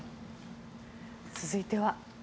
続いては。